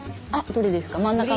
どれですか？